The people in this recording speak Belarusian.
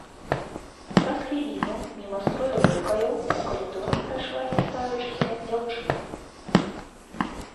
Праз хвіліну міма строю лёкаяў у калідоры прайшла, хістаючыся, дзяўчына.